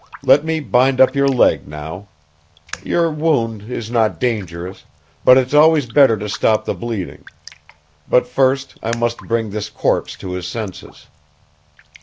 Let me bind up your leg now; your wound is not dangerous, but it's always better to stop the bleeding. But first I must bring this corpse to his senses."